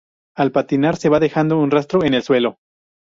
Al patinar se va dejando un rastro en el suelo.